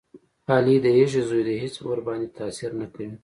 علي د یږې زوی دی هېڅ ورباندې تاثیر نه کوي.